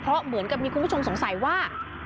เพราะเหมือนกับมีคุณผู้ชมสงสัยว่า